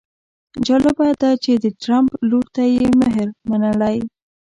جالبه ده چې د ټرمپ لور ته یې مهر منلی.